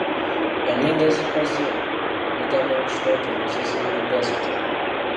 Ennyingo ezikoze ebigambo mu kitontome zizimbiddwa zitya?